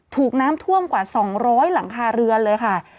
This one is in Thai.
ถูกน้ำท่วมกว่า๒๐๐หลังคาเรือนเลยค่ะ